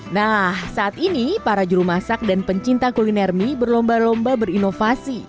nah saat ini para juru masak dan pencinta kuliner mie berlomba lomba berinovasi